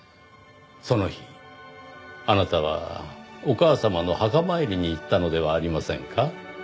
その日あなたはお母様の墓参りに行ったのではありませんか？